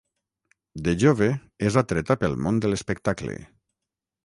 De jove, és atreta pel món de l'espectacle.